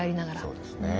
そうですね。